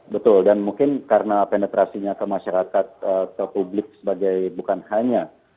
betul dan mungkin karena penetrasinya ke masyarakat ke publik sebagai bukan hanya